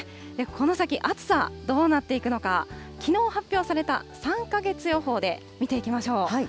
この先、暑さどうなっていくのか、きのう発表された３か月予報で見ていきましょう。